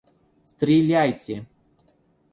Стреляйте!